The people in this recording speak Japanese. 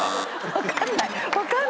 分かんない。